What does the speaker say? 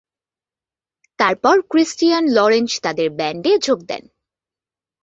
তারপর Christian Lorenz তাদের ব্যান্ডে যোগ দেন।